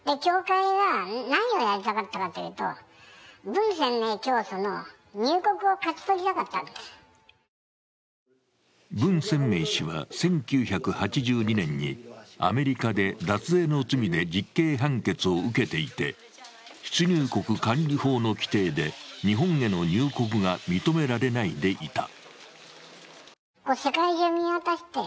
文鮮明氏は１９８２年にアメリカで脱税の罪で実刑判決を受けていて、出入国管理法の規定で日本への入国が認められないでいた。